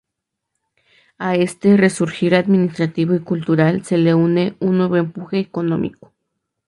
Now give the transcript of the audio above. A este resurgir administrativo y cultural se une un nuevo empuje económico.